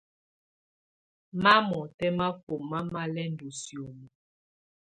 Mamɔ́tɛ́ máfɔ́má má lɛ́ ndɔ́ sìómo.